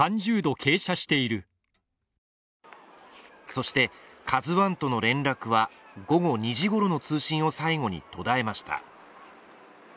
そして、「ＫＡＺＵⅠ」との連絡は午後２時ごろの通信を最後に途絶えました。